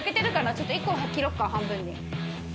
ちょっと１個切ろうか半分に。